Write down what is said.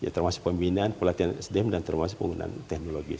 termasuk pembinaan pelatihan sdm dan termasuk penggunaan teknologi